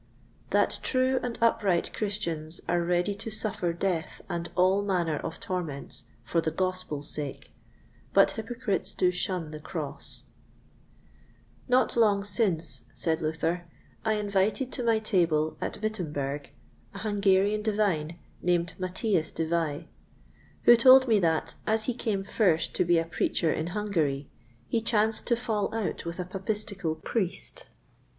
That true and upright Christians are ready to suffer Death and all manner of Torments for the Gospel's sake, but Hypocrites do shun the Cross. Not long since, said Luther, I invited to my table, at Wittemberg, an Hungarian Divine, named Matthias de Vai, who told me that, as he came first to be a Preacher in Hungary, he chanced to fall out with a Papistical Priest.